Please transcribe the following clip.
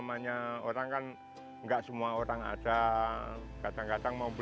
emang di asalnya dalam hayat bukan berjalan jalan aja juga kan